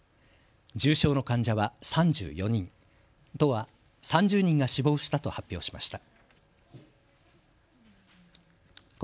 重症の患者は３４人、都は３０人が死亡したと発表しました。